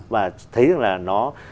và thấy rằng là nó